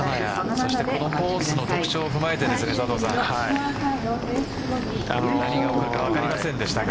そして、このコースの特徴を踏まえて何が来るか分かりませんでしたが。